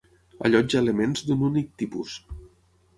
Allotja elements d'un únic tipus.